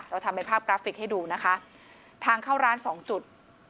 เราทำเป็นภาพกราฟิกให้ดูนะคะทางเข้าร้านสองจุด